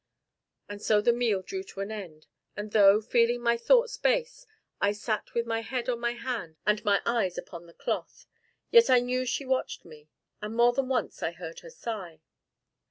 And so the meal drew to an end, and though, feeling my thoughts base, I sat with my head on my hand and my eyes upon the cloth, yet I knew she watched me, and more than once I heard her sigh.